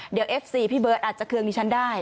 เดี๋ยวเอฟซีพี่เบิร์ตอาจจะเครื่องดิฉันได้